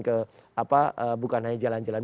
ke apa bukan hanya jalan jalan